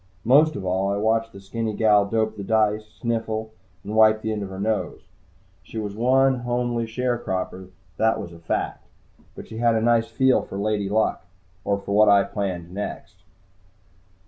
Most of all, I watched the skinny gal dope the dice, sniffle and wipe the end of her nose. She was one homely sharecropper, that was a fact, but she had a nice feel for Lady Luck. Or for what I planned next.